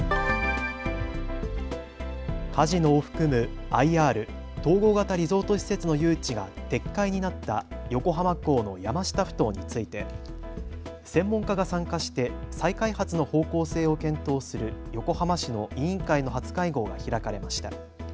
カジノを含むＩＲ・統合型リゾート施設の誘致が撤回になった横浜港の山下ふ頭について専門家が参加して再開発の方向性を検討する横浜市の委員会の初会合が開かれました。